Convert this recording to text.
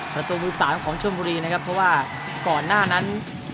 ประตูมือสามของชนบุรีนะครับเพราะว่าก่อนหน้านั้น